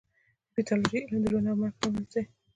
د پیتالوژي علم د ژوند او مرګ ترمنځ دی.